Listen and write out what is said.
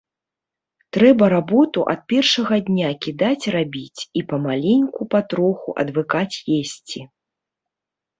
Трэба работу ад першага дня кідаць рабіць і памаленьку патроху адвыкаць есці.